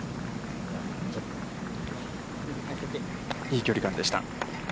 いい距離感でした。